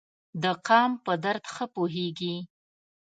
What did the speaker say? د قام په درد ښه پوهیږي.